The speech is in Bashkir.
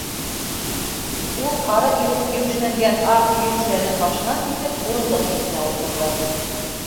Ул ҡары иреп еүешләнгән аҡ йөн шәлен башынан сисеп, урындыҡ ситенә ултырҙы.